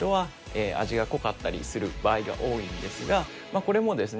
これもですね